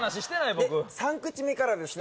僕三口目からですね